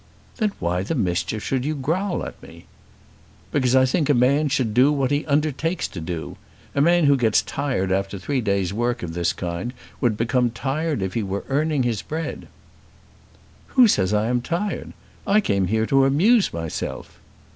"Then why the mischief should you growl at me?" "Because I think a man should do what he undertakes to do. A man who gets tired after three days' work of this kind would become tired if he were earning his bread." "Who says I am tired? I came here to amuse myself."